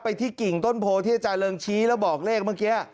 ที่กิ่งต้นโพที่อาจารย์เริงชี้แล้วบอกเลขเมื่อกี้